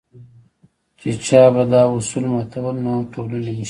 چې چا به دا اصول ماتول نو ټولنې به شړل.